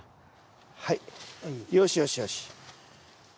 はいよしよしよし。